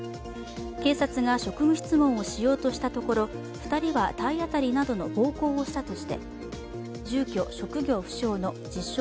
警察が職務質問をしようとしたところ２人は体当たりなどの暴行をしたとして住居・職業不詳の自称